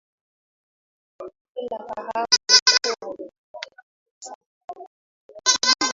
Ila kahawa ilikuwa ya kipekee sana.